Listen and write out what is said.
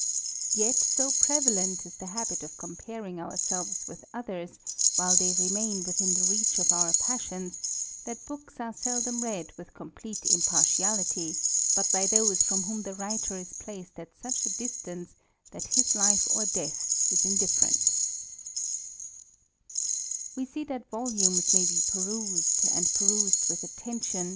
Yet so prevalent is thej luibit of comparing ourselves with others, while ihey remain within the reach of our passions, that books are seldom read with complete impartiality, but by those from whom the writer is placed at such a distance that his life or death is iii4iiilerent Wf t^e fhjit vohimps maybe perused, and perused with aOCTtion.